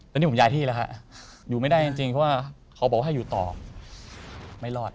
แล้วนี่ผมย้ายที่แล้วฮะอยู่ไม่ได้จริงเพราะว่าเขาบอกว่าให้อยู่ต่อไม่รอด